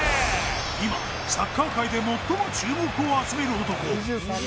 今サッカー界で最も注目を集める男